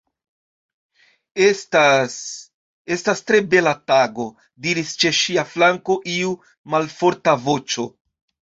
"Estas... estas tre bela tago," diris ĉe ŝia flanko iu malforta voĉo.